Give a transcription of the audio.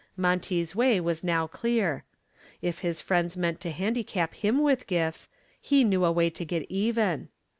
Monty's way was now clear. If his friends meant to handicap him with gifts, he knew a way to get even.